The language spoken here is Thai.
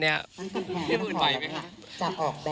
พี่หมื่นไหวไหมครับ